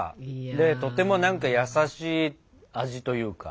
でとても何か優しい味というか。